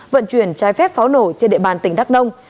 vận chuyển trái phép pháo nổ trên địa bàn tỉnh đắk nông